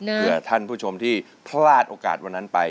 เพื่อท่านผู้ชมที่พลาดโอกาสวันนั้นไป